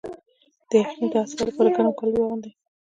د یخنۍ د حساسیت لپاره ګرم کالي واغوندئ